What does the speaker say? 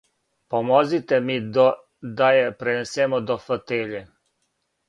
Помозите ми да је пренесемо до фотеље.